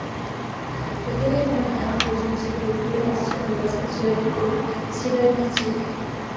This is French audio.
Le téléphone est un des outils les plus anciens dans la sexualité cybernétique.